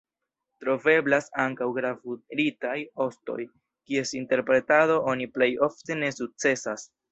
Troveblas ankaŭ gravuritaj ostoj, kies interpretado oni plej ofte ne sukcesas.